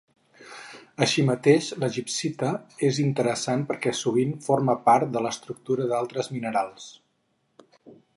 Així mateix, la gibbsita és interessant perquè sovint forma part de l'estructura d'altres minerals.